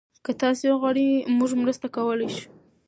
که تاسي وغواړئ، موږ مرسته کولی شو.